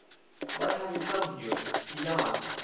"Why have you come here?" he asked.